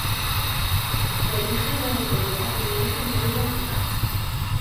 Erregionaleko bigarren mailan ari da jokatzen.